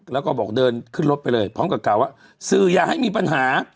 แล้วก็บอกเดินขึ้นรถไปเลยพร้อมกับกล่าวว่าสื่ออย่าให้มีปัญหา